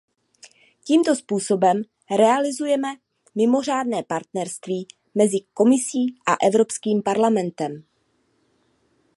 Tímto způsobem realizujeme mimořádné partnerství mezi Komisí a Evropským parlamentem.